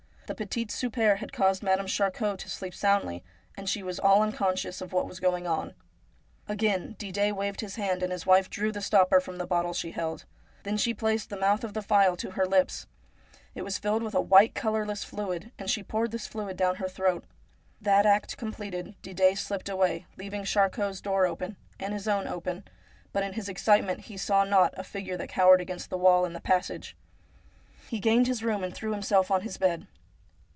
The petit souper had caused Madame Charcot to sleep soundly, and she was all unconscious of what was going on. Again Didet waved his hand, and his wife drew the stopper from the bottle she held. Then she placed the mouth of the phial to her lips. It was filled with a white, colourless fluid, and she poured this fluid down her throat. That act com pleted, Didet slipped away, leaving Charcot's door open, and his own open ; but in his excitement he saw not a figure that cowered against the wall in the passage. He gained his room, and threw himself on his bed.